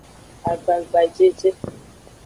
Agbagbajeje.